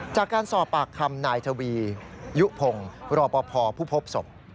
จากการสอบปากคำนายทวียุพงศ์รอปภผู้พบศพ